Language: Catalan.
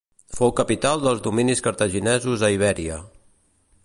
Fou capital dels dominis cartaginesos a Ibèria.